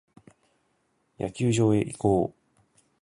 野球場へ移行。